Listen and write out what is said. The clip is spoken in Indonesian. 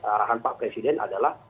arahan pak presiden adalah